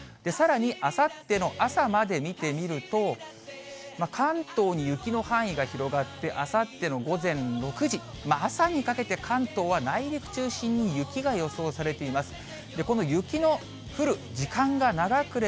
さらにあさっての朝まで見てみると、関東に雪の範囲が広がって、あさっての午前６時、朝にかけて関東は内陸中心に雪が予想されています。